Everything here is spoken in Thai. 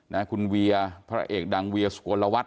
นะคุณเวียร์พระเอกดังเวียร์สุโรลวัตร